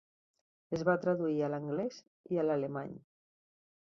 Es va traduir a l"anglès i a l"alemany.